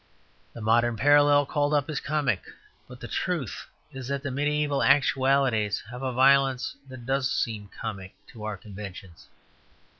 The modern parallel called up is comic, but the truth is that mediæval actualities have a violence that does seem comic to our conventions.